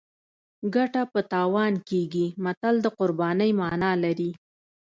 ګټه په تاوان کیږي متل د قربانۍ مانا لري